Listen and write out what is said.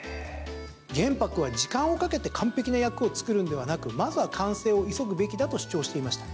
玄白は、時間をかけて完璧な訳を作るんではなくまずは完成を急ぐべきだと主張していました。